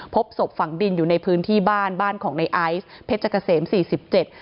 พบศพฝังดินอยู่ในพื้นที่บ้านบ้านของในไอซ์เพชรเกษมสี่สิบเจ็ด